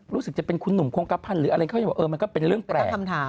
รู้สึกจะเป็นคุณหนุ่มโครงการ์ฟพันธ์